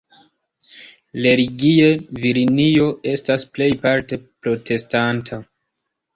Religie, Virginio estas plejparte protestanta.